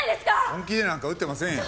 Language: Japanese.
本気でなんか打ってませんよ。